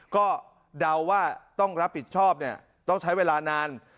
ก็เดาว่าต้องรับผิดชอบเนี่ยต้องใช้เวลานาน